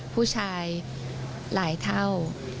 ผู้ชายหลายเท่า